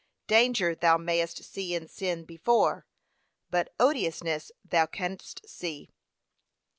Danger thou mayest see in sin before, but odiousness thou canst not.